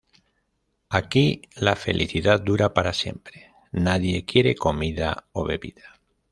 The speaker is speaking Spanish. Aquí la felicidad dura para siempre, nadie quiere comida o bebida.